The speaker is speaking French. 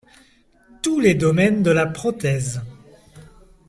Tous les domaines de la prothèse.